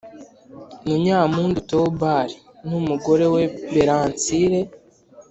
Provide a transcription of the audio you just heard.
Munyampundu Theobald n umugore we Berancille